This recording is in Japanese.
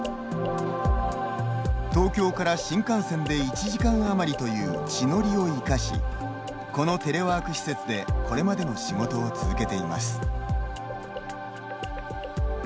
東京から新幹線で１時間余りという地の利を生かしこのテレワーク施設でこれまでの仕事を続けています。